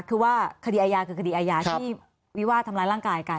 คือว่าคดีอายาคือคดีอาญาที่วิวาดทำร้ายร่างกายกัน